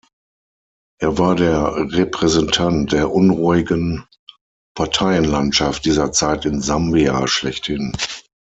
Er war der Repräsentant der unruhigen Parteienlandschaft dieser Zeit in Sambia schlechthin.